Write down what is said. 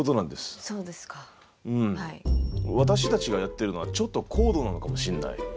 私たちがやってるのはちょっと高度なのかもしんない。